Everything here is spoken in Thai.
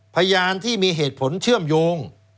พยานที่มีเหตุผลเชื่อมโยง